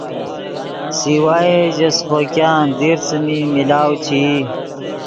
سوائے ژے سیخوګآن دیر څیمی ملاؤ چے ای